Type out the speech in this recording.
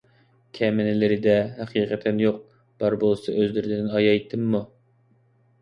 كەمىنىلىرىدە ھەقىقەتەن يوق، بار بولسا ئۆزلىرىدىن ئايايتىممۇ؟